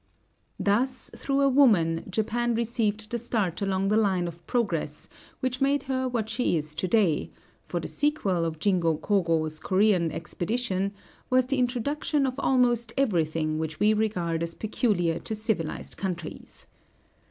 Thus through a woman Japan received the start along the line of progress which made her what she is to day, for the sequel of Jingo Kōgō's Corean expedition was the introduction of almost everything which we regard as peculiar to civilized countries.